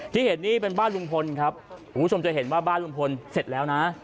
ที่เห็นนี่เป็นบ้านลุงพลครับคุณผู้ชมจะเห็นว่าบ้านลุงพลเสร็จแล้วนะ